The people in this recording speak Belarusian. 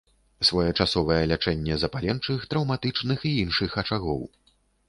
Своечасовае лячэнне запаленчых, траўматычных і іншых ачагоў.